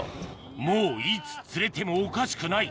もういつ釣れてもおかしくない